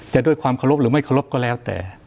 ด้วยความเคารพหรือไม่เคารพก็แล้วแต่